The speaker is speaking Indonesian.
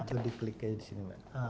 atau di klik aja di sini